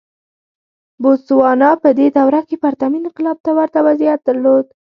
بوتسوانا په دې دوره کې پرتمین انقلاب ته ورته وضعیت درلود.